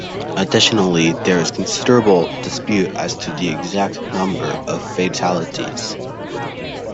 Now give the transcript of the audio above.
Additionally, there is considerable dispute as to the exact number of fatalities.